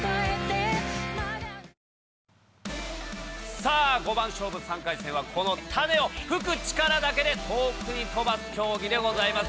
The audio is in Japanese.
さあ、５番勝負３回戦は、この種を、吹く力だけで遠くに飛ばす競技でございます。